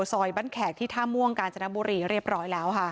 ซอยบ้านแขกที่ท่าม่วงกาญจนบุรีเรียบร้อยแล้วค่ะ